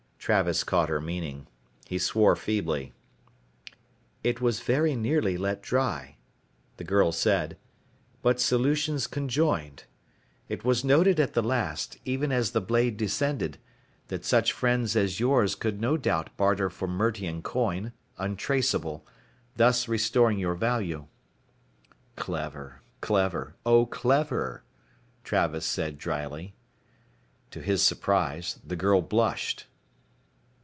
Travis caught her meaning. He swore feebly. "It was very nearly let dry," the girl said. "But solutions conjoined. It was noted at the last, even as the blade descended, that such friends as yours could no doubt barter for Mertian coin, untraceable, thus restoring your value." "Clever, clever. Oh, clever," Travis said drily. To his surprise, the girl blushed.